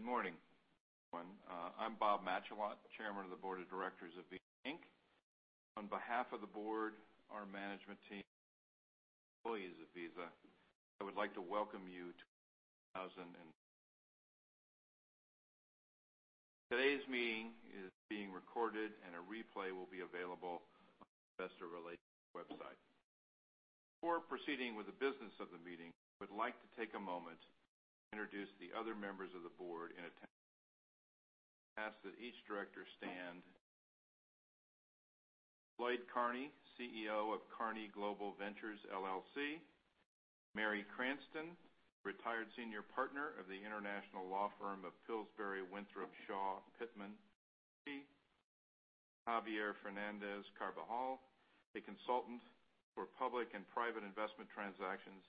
Good morning. I'm Bob Matschullat, Chairman of the Board of Directors of Visa Inc. On behalf of the board, our management team, employees of Visa, I would like to welcome you to 2019. Today's meeting is being recorded, and a replay will be available on the investor relations website. Before proceeding with the business of the meeting, I would like to take a moment to introduce the other members of the board. I ask that each director stand. Lloyd Carney, CEO of Carney Global Ventures LLC. Mary Cranston, retired senior partner of the international law firm of Pillsbury Winthrop Shaw Pittman LLP. Javier Fernández-Carbajal, a consultant for public and private investment transactions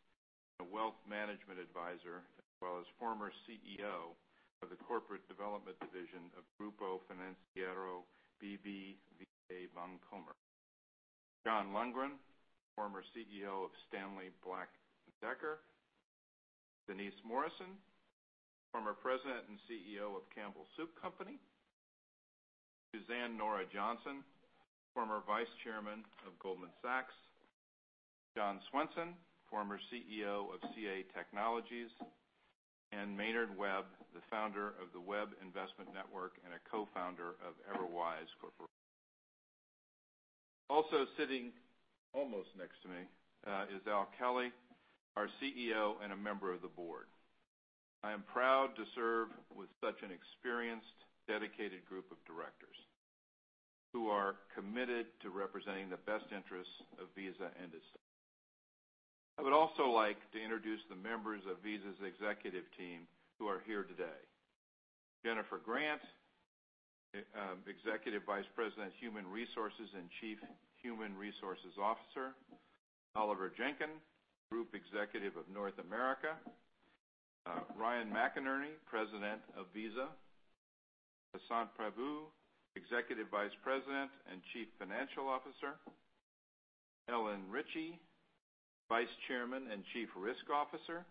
and a wealth management advisor, as well as former CEO of the corporate development division of Grupo Financiero BBVA Bancomer. John Lundgren, former CEO of Stanley Black & Decker. Denise Morrison, former President and CEO of Campbell Soup Company. Suzanne Nora Johnson, former Vice Chairman of Goldman Sachs. John Swainson, former CEO of CA Technologies. Maynard Webb, the founder of the Webb Investment Network and a co-founder of Everwise. Also sitting almost next to me is Al Kelly, our CEO and a member of the board. I am proud to serve with such an experienced, dedicated group of directors who are committed to representing the best interests of Visa and its. I would also like to introduce the members of Visa's executive team who are here today. Jennifer Grant, Executive Vice President, Human Resources, and Chief Human Resources Officer. Oliver Jenkyn, Group Executive of North America. Ryan McInerney, President of Visa. Vasant Prabhu, Executive Vice President and Chief Financial Officer. Ellen Richey, Vice Chairman and Chief Risk Officer.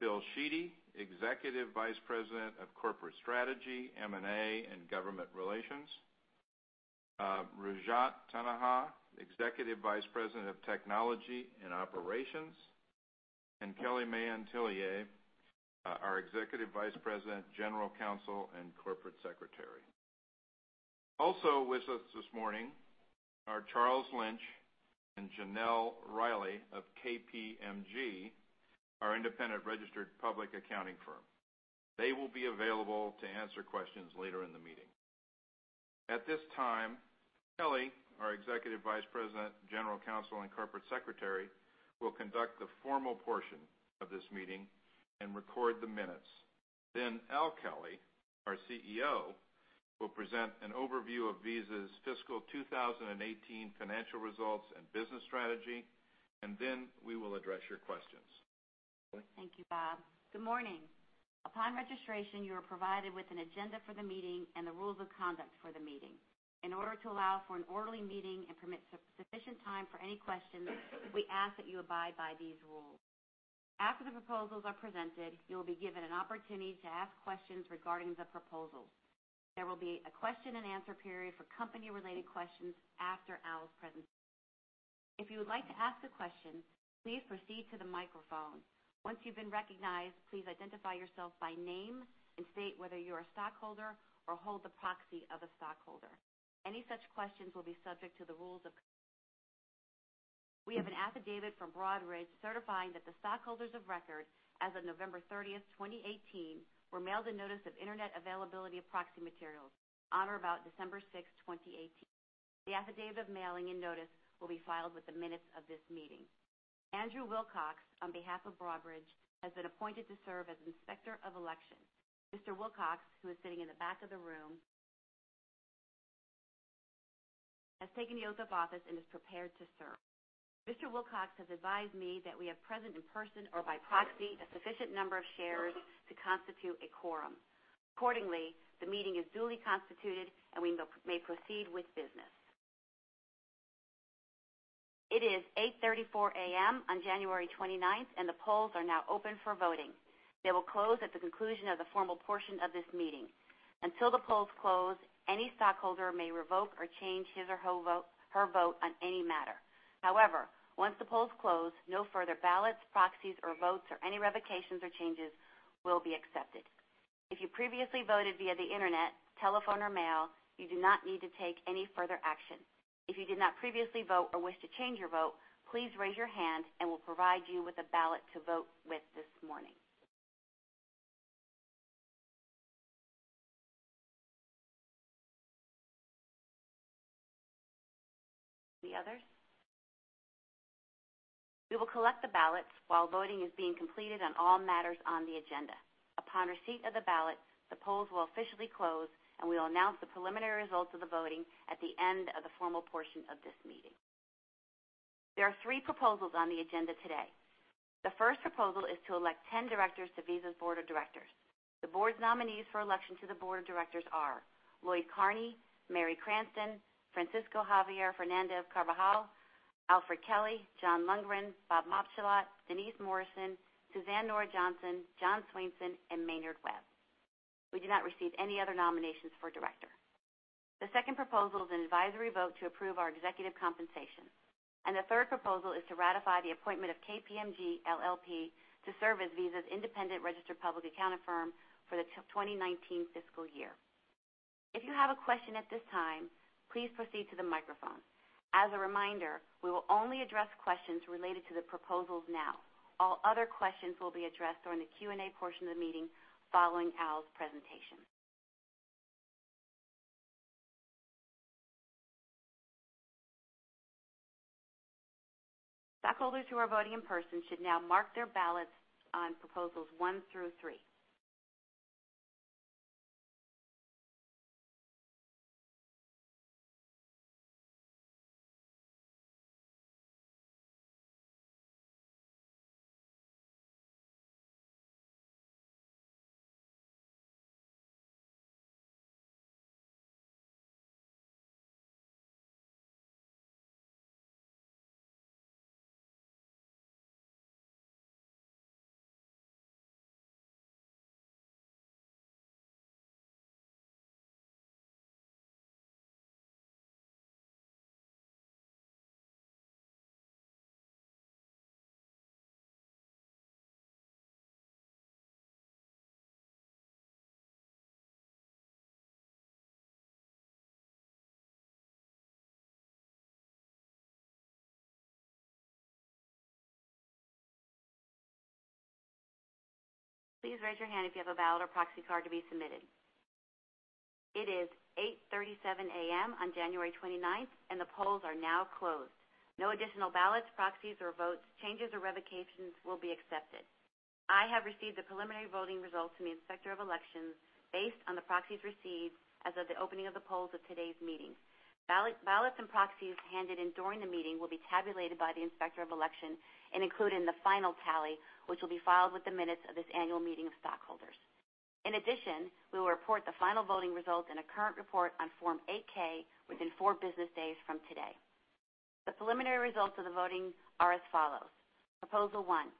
Bill Sheedy, Executive Vice President of Corporate Strategy, M&A, and Government Relations. Rajat Taneja, Executive Vice President of Technology and Operations. Kelly Mahon Tullier, our Executive Vice President, General Counsel, and Corporate Secretary. Also with us this morning are Charles Lynch and Janelle Riley of KPMG, our independent registered public accounting firm. They will be available to answer questions later in the meeting. At this time, Kelly, our Executive Vice President, General Counsel, and Corporate Secretary, will conduct the formal portion of this meeting and record the minutes. Al Kelly, our CEO, will present an overview of Visa's fiscal 2018 financial results and business strategy. We will address your questions. Kelly? Thank you, Bob. Good morning. Upon registration, you were provided with an agenda for the meeting and the rules of conduct for the meeting. In order to allow for an orderly meeting and permit sufficient time for any questions, we ask that you abide by these rules. After the proposals are presented, you will be given an opportunity to ask questions regarding the proposals. There will be a question and answer period for company-related questions after Al's presentation. If you would like to ask a question, please proceed to the microphone. Once you've been recognized, please identify yourself by name and state whether you're a stockholder or hold the proxy of a stockholder. Any such questions will be subject to the rules of. We have an affidavit from Broadridge certifying that the stockholders of record as of November 30th, 2018, were mailed a notice of Internet availability of proxy materials on or about December 6th, 2018. The affidavit of mailing and notice will be filed with the minutes of this meeting. Andrew Wilcox, on behalf of Broadridge, has been appointed to serve as Inspector of Election. Mr. Wilcox, who is sitting in the back of the room, has taken the oath of office and is prepared to serve. Mr. Wilcox has advised me that we have present in person or by proxy a sufficient number of shares to constitute a quorum. Accordingly, the meeting is duly constituted, and we may proceed with business. It is 8:34 A.M. on January 29th, and the polls are now open for voting. They will close at the conclusion of the formal portion of this meeting. Until the polls close, any stockholder may revoke or change his or her vote on any matter. However, once the polls close, no further ballots, proxies, or votes or any revocations or changes will be accepted. If you previously voted via the Internet, telephone or mail, you do not need to take any further action. If you did not previously vote or wish to change your vote, please raise your hand, and we'll provide you with a ballot to vote with this morning. Any others? We will collect the ballots while voting is being completed on all matters on the agenda. Upon receipt of the ballot, the polls will officially close, and we will announce the preliminary results of the voting at the end of the formal portion of this meeting. There are three proposals on the agenda today. The first proposal is to elect 10 directors to Visa's board of directors. The board's nominees for election to the board of directors are Lloyd Carney, Mary Cranston, Francisco Javier Fernández-Carbajal, Alfred Kelly, John Lundgren, Bob Moczygemba, Denise Morrison, Suzanne Nora Johnson, John Swainson, and Maynard Webb. We did not receive any other nominations for director. The second proposal is an advisory vote to approve our executive compensation, and the third proposal is to ratify the appointment of KPMG LLP to serve as Visa's independent registered public accounting firm for the 2019 fiscal year. If you have a question at this time, please proceed to the microphone. As a reminder, we will only address questions related to the proposals now. All other questions will be addressed during the Q&A portion of the meeting following Al's presentation. Stockholders who are voting in person should now mark their ballots on proposals one through three. Please raise your hand if you have a ballot or proxy card to be submitted. It is 8:37 A.M. on January 29th, and the polls are now closed. No additional ballots, proxies, or votes, changes, or revocations will be accepted. I have received the preliminary voting results from the Inspector of Elections based on the proxies received as of the opening of the polls of today's meeting. Ballots and proxies handed in during the meeting will be tabulated by the Inspector of Election and included in the final tally, which will be filed with the minutes of this annual meeting of stockholders. In addition, we will report the final voting results in a current report on Form 8-K within four business days from today. The preliminary results of the voting are as follows. Proposal one,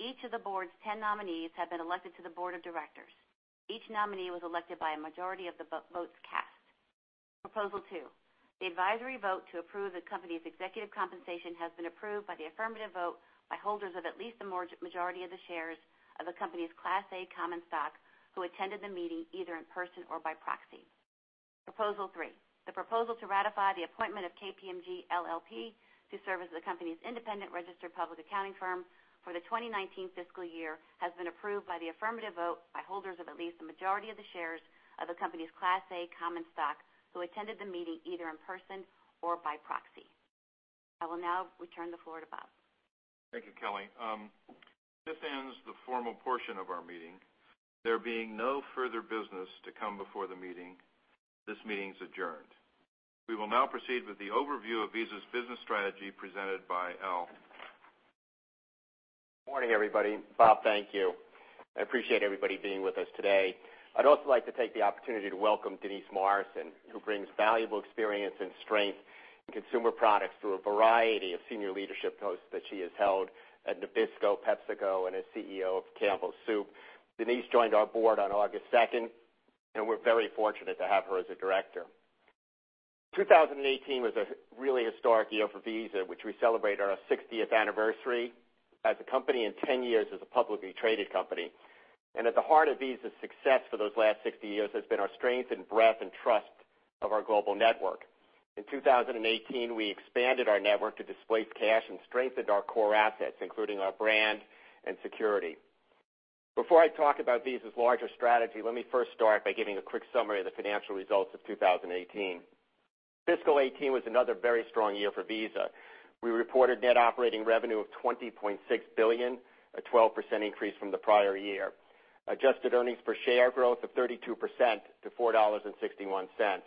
each of the board's 10 nominees have been elected to the board of directors. Each nominee was elected by a majority of the votes cast. Proposal two, the advisory vote to approve the company's executive compensation has been approved by the affirmative vote by holders of at least the majority of the shares of the company's Class A common stock, who attended the meeting either in person or by proxy. Proposal three, the proposal to ratify the appointment of KPMG LLP to serve as the company's independent registered public accounting firm for the 2019 fiscal year, has been approved by the affirmative vote by holders of at least the majority of the shares of the company's Class A common stock, who attended the meeting either in person or by proxy. I will now return the floor to Bob. Thank you, Kelly. This ends the formal portion of our meeting. There being no further business to come before the meeting, this meeting's adjourned. We will now proceed with the overview of Visa's business strategy presented by Al. Morning, everybody. Bob, thank you. I appreciate everybody being with us today. I'd also like to take the opportunity to welcome Denise Morrison, who brings valuable experience and strength in consumer products through a variety of senior leadership posts that she has held at Nabisco, PepsiCo, and as CEO of Campbell Soup. Denise joined our board on August 2nd, we're very fortunate to have her as a director. 2018 was a really historic year for Visa, which we celebrate our 60th anniversary as a company and 10 years as a publicly traded company. At the heart of Visa's success for those last 60 years has been our strength and breadth and trust of our global network. In 2018, we expanded our network to displace cash and strengthened our core assets, including our brand and security. Before I talk about Visa's larger strategy, let me first start by giving a quick summary of the financial results of 2018. Fiscal 2018 was another very strong year for Visa. We reported net operating revenue of $20.6 billion, a 12% increase from the prior year. Adjusted earnings per share growth of 32% to $4.61.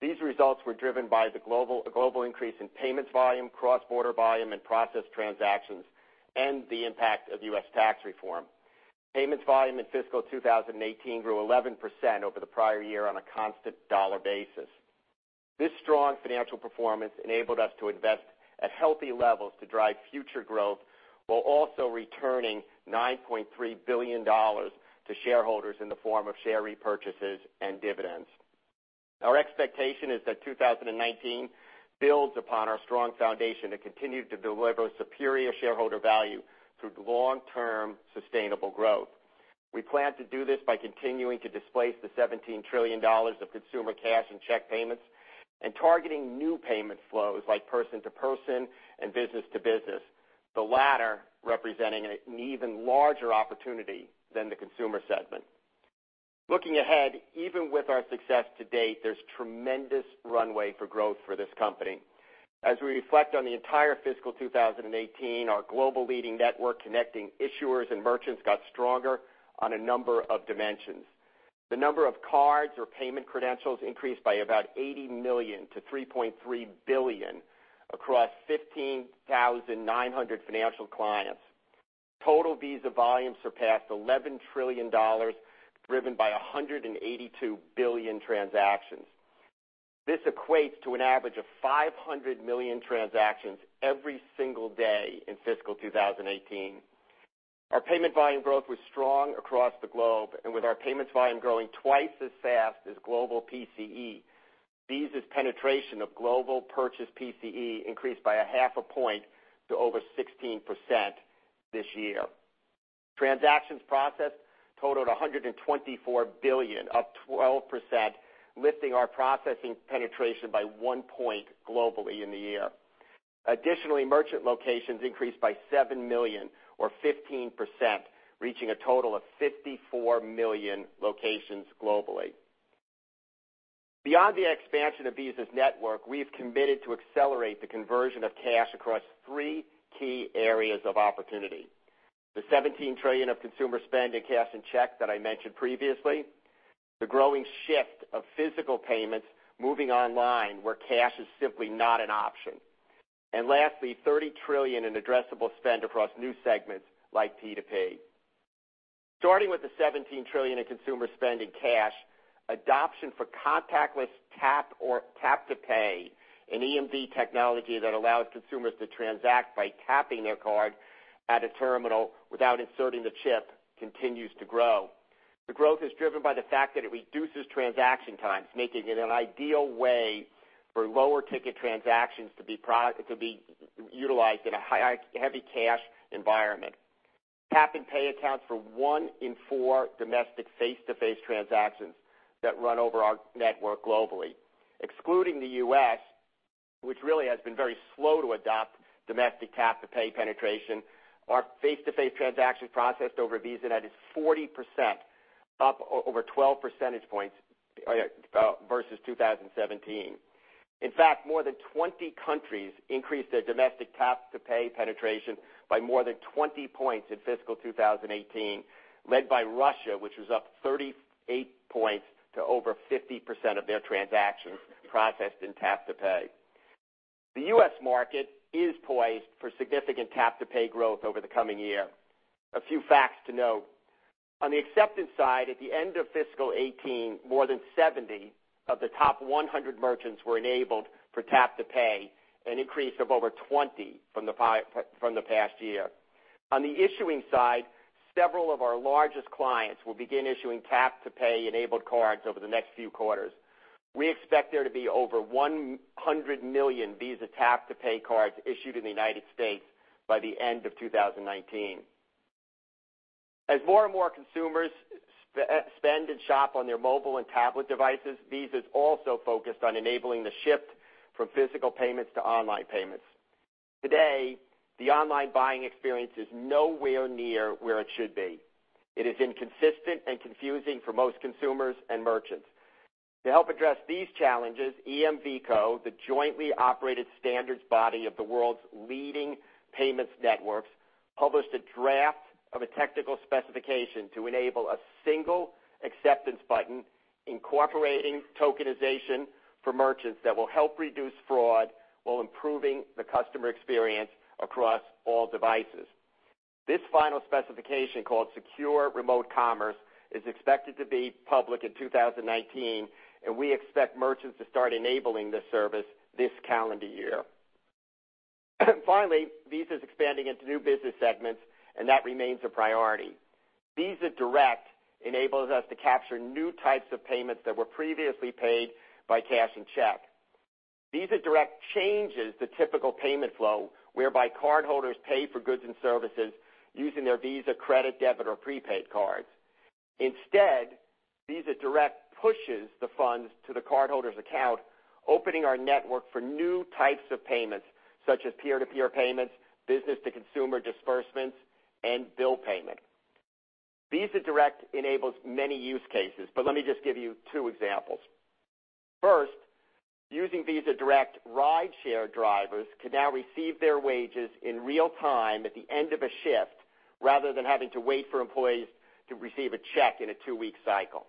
These results were driven by the global increase in payments volume, cross-border volume, and process transactions, the impact of U.S. tax reform. Payments volume in fiscal 2018 grew 11% over the prior year on a constant dollar basis. This strong financial performance enabled us to invest at healthy levels to drive future growth, while also returning $9.3 billion to shareholders in the form of share repurchases and dividends. Our expectation is that 2019 builds upon our strong foundation and continue to deliver superior shareholder value through long-term sustainable growth. We plan to do this by continuing to displace the $17 trillion of consumer cash and check payments and targeting new payment flows like person-to-person and business-to-business, the latter representing an even larger opportunity than the consumer segment. Looking ahead, even with our success to date, there's tremendous runway for growth for this company. As we reflect on the entire fiscal 2018, our global leading network connecting issuers and merchants got stronger on a number of dimensions. The number of cards or payment credentials increased by about 80 million to 3.3 billion across 15,900 financial clients. Total Visa volume surpassed $11 trillion, driven by 182 billion transactions. This equates to an average of 500 million transactions every single day in fiscal 2018. Our payment volume growth was strong across the globe. With our payments volume growing twice as fast as global PCE, Visa's penetration of global purchase PCE increased by a half a point to over 16% this year. Transactions processed totaled 124 billion, up 12%, lifting our processing penetration by one point globally in the year. Additionally, merchant locations increased by seven million or 15%, reaching a total of 54 million locations globally. Beyond the expansion of Visa's network, we've committed to accelerate the conversion of cash across three key areas of opportunity. The $17 trillion of consumer spend in cash and checks that I mentioned previously, the growing shift of physical payments moving online, where cash is simply not an option, lastly, $30 trillion in addressable spend across new segments like P2P. Starting with the $17 trillion in consumer spend in cash, adoption for contactless tap or tap to pay, an EMV technology that allows consumers to transact by tapping their card at a terminal without inserting the chip, continues to grow. The growth is driven by the fact that it reduces transaction times, making it an ideal way for lower-ticket transactions to be utilized in a heavy cash environment. Tap and pay accounts for one in four domestic face-to-face transactions that run over our network globally. Excluding the U.S., which really has been very slow to adopt domestic tap to pay penetration, our face-to-face transactions processed over VisaNet is 40%, up over 12 percentage points versus 2017. In fact, more than 20 countries increased their domestic tap to pay penetration by more than 20 points in fiscal 2018, led by Russia, which was up 38 points to over 50% of their transactions processed in tap to pay. The U.S. market is poised for significant tap to pay growth over the coming year. A few facts to note. On the acceptance side, at the end of fiscal 2018, more than 70 of the top 100 merchants were enabled for tap to pay, an increase of over 20 from the past year. On the issuing side, several of our largest clients will begin issuing tap to pay-enabled cards over the next few quarters. We expect there to be over 100 million Visa tap to pay cards issued in the United States by the end of 2019. As more and more consumers spend and shop on their mobile and tablet devices, Visa's also focused on enabling the shift from physical payments to online payments. Today, the online buying experience is nowhere near where it should be. It is inconsistent and confusing for most consumers and merchants. To help address these challenges, EMVCo, the jointly operated standards body of the world's leading payments networks, published a draft of a technical specification to enable a single acceptance button incorporating tokenization for merchants that will help reduce fraud while improving the customer experience across all devices. This final specification, called Secure Remote Commerce, is expected to be public in 2019, and we expect merchants to start enabling this service this calendar year. Finally, Visa's expanding into new business segments, and that remains a priority. Visa Direct enables us to capture new types of payments that were previously paid by cash and check. Visa Direct changes the typical payment flow, whereby cardholders pay for goods and services using their Visa credit, debit or prepaid cards. Instead, Visa Direct pushes the funds to the cardholder's account, opening our network for new types of payments, such as peer-to-peer payments, business-to-consumer disbursements, and bill payment. Visa Direct enables many use cases, but let me just give you two examples. First, using Visa Direct, rideshare drivers can now receive their wages in real time at the end of a shift, rather than having to wait for employees to receive a check in a two-week cycle.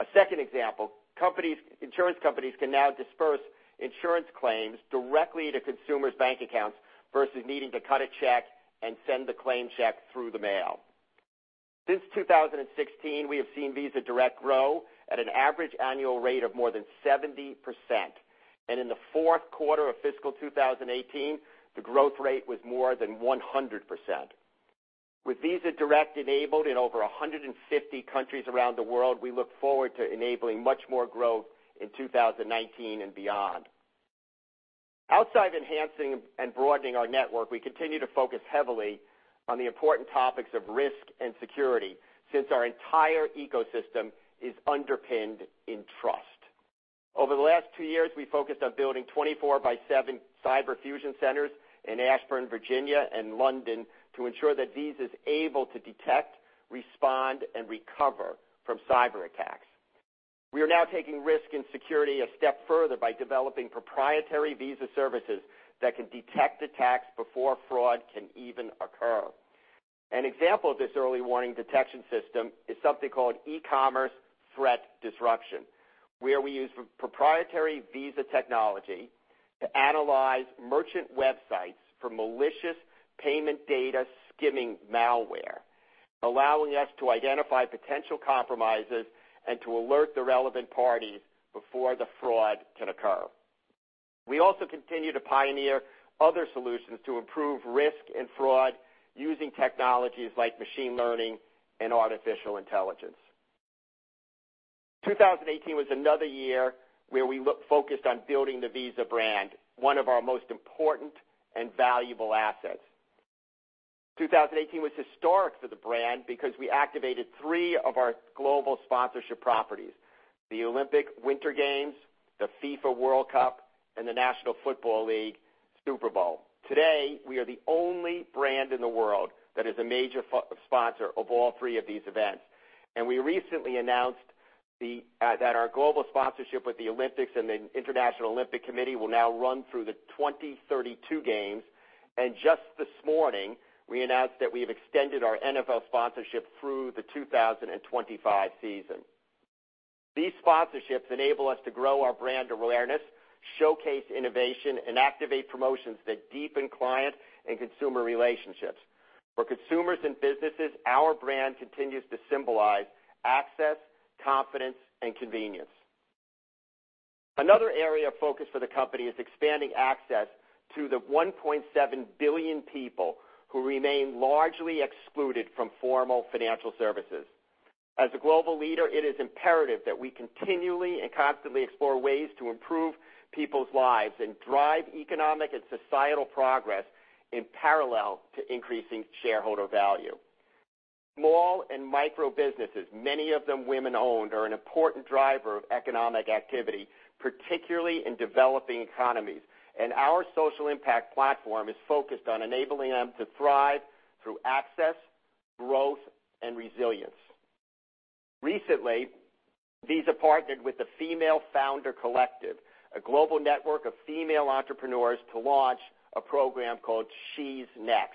A second example, insurance companies can now disburse insurance claims directly to consumers' bank accounts versus needing to cut a check and send the claim check through the mail. Since 2016, we have seen Visa Direct grow at an average annual rate of more than 70%, and in the fourth quarter of fiscal 2018, the growth rate was more than 100%. With Visa Direct enabled in over 150 countries around the world, we look forward to enabling much more growth in 2019 and beyond. Outside of enhancing and broadening our network, we continue to focus heavily on the important topics of risk and security since our entire ecosystem is underpinned in trust. Over the last two years, we focused on building 24/7 cyber fusion centers in Ashburn, Virginia and London to ensure that Visa is able to detect, respond, and recover from cyberattacks. We are now taking risk and security a step further by developing proprietary Visa services that can detect attacks before fraud can even occur. An example of this early warning detection system is something called eCommerce Threat Disruption, where we use proprietary Visa technology to analyze merchant websites for malicious payment data skimming malware, allowing us to identify potential compromises and to alert the relevant parties before the fraud can occur. We also continue to pioneer other solutions to improve risk and fraud using technologies like machine learning and artificial intelligence. 2018 was another year where we focused on building the Visa brand, one of our most important and valuable assets. 2018 was historic for the brand because we activated three of our global sponsorship properties, the Olympic Winter Games, the FIFA World Cup, and the National Football League Super Bowl. Today, we are the only brand in the world that is a major sponsor of all three of these events. We recently announced that our global sponsorship with the Olympics and the International Olympic Committee will now run through the 2032 games. Just this morning, we announced that we've extended our NFL sponsorship through the 2025 season. These sponsorships enable us to grow our brand awareness, showcase innovation, and activate promotions that deepen client and consumer relationships. For consumers and businesses, our brand continues to symbolize access, confidence, and convenience. Another area of focus for the company is expanding access to the 1.7 billion people who remain largely excluded from formal financial services. As a global leader, it is imperative that we continually and constantly explore ways to improve people's lives and drive economic and societal progress in parallel to increasing shareholder value. Small and micro businesses, many of them women-owned, are an important driver of economic activity, particularly in developing economies. Our social impact platform is focused on enabling them to thrive through access, growth, and resilience. Recently, Visa partnered with the Female Founder Collective, a global network of female entrepreneurs, to launch a program called She's Next.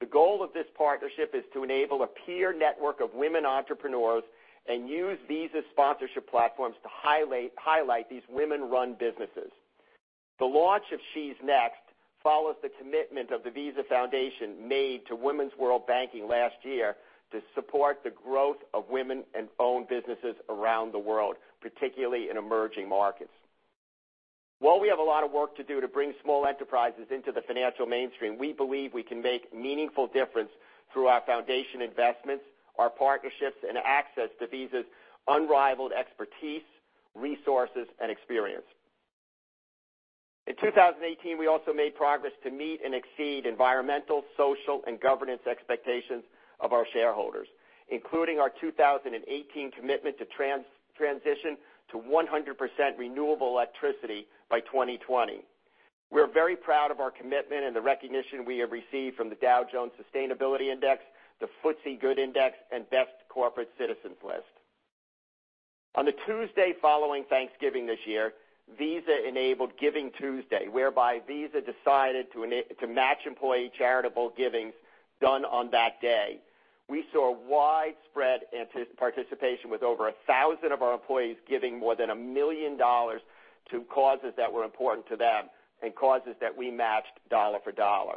The goal of this partnership is to enable a peer network of women entrepreneurs and use Visa sponsorship platforms to highlight these women-run businesses. The launch of She's Next follows the commitment of the Visa Foundation made to Women's World Banking last year to support the growth of women-owned businesses around the world, particularly in emerging markets. While we have a lot of work to do to bring small enterprises into the financial mainstream, we believe we can make meaningful difference through our foundation investments, our partnerships, and access to Visa's unrivaled expertise, resources, and experience. In 2018, we also made progress to meet and exceed environmental, social, and governance expectations of our shareholders, including our 2018 commitment to transition to 100% renewable electricity by 2020. We're very proud of our commitment and the recognition we have received from the Dow Jones Sustainability Index, the FTSE4Good Index, and Best Corporate Citizens list. On the Tuesday following Thanksgiving this year, Visa enabled GivingTuesday, whereby Visa decided to match employee charitable givings done on that day. We saw widespread participation with over 1,000 of our employees giving more than $1 million to causes that were important to them and causes that we matched dollar for dollar.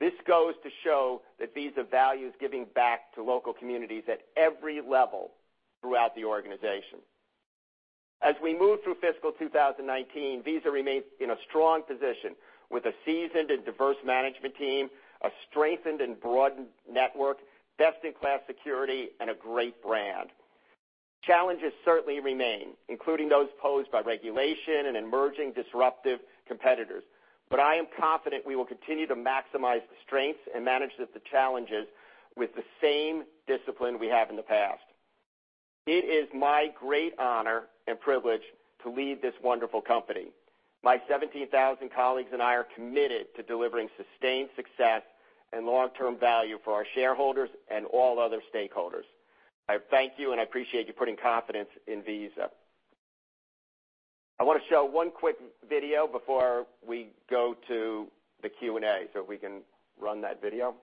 This goes to show that Visa values giving back to local communities at every level throughout the organization. As we move through fiscal 2019, Visa remains in a strong position with a seasoned and diverse management team, a strengthened and broadened network, best-in-class security, and a great brand. Challenges certainly remain, including those posed by regulation and emerging disruptive competitors. I am confident we will continue to maximize the strengths and manage the challenges with the same discipline we have in the past. It is my great honor and privilege to lead this wonderful company. My 17,000 colleagues and I are committed to delivering sustained success and long-term value for our shareholders and all other stakeholders. I thank you, and I appreciate you putting confidence in Visa. I want to show one quick video before we go to the Q&A. If we can run that video. Okay.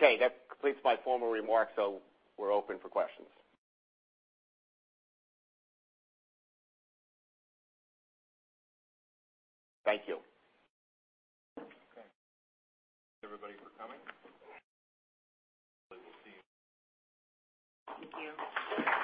That completes my formal remarks, we're open for questions. Thank you. Okay. Thank you, everybody, for coming. We will see you. Thank you.